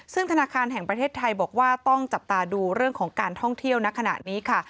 ซึ่งธนาคารแห่งประเทศไทยบอกว่าต้องจับตาดูเรื่องของการท่องเที่ยวณขณะนี้ค่ะ